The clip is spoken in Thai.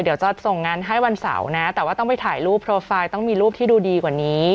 เดี๋ยวจะส่งงานให้วันเสาร์นะแต่ว่าต้องไปถ่ายรูปโปรไฟล์ต้องมีรูปที่ดูดีกว่านี้